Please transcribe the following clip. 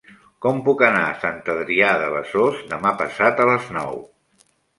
Com puc anar a Sant Adrià de Besòs demà passat a les nou?